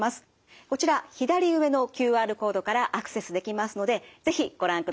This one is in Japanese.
こちら左上のＱＲコードからアクセスできますので是非ご覧ください。